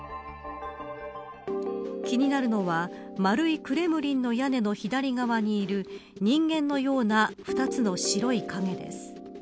気になるのは、丸いクレムリンの屋根の左側にいる人間のような２つの白い影です。